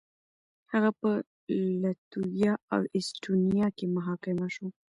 هغه په لتويا او اېسټونيا کې محاکمه شو.